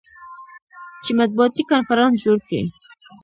چې مطبوعاتي کنفرانس جوړ کي.